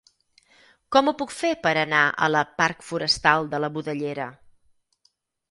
Com ho puc fer per anar a la parc Forestal de la Budellera?